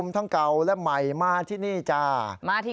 ทั้งเก่าและใหม่มาที